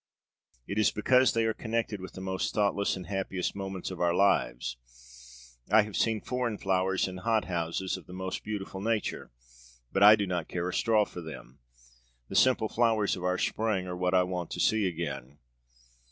It is because they are connected with the most thoughtless and happiest moments of our lives. I have seen foreign flowers in hothouses, of the most beautiful nature, but I do not care a straw for them. The simple flowers of our Spring are what I want to see again!'